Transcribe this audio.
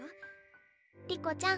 梨子ちゃん。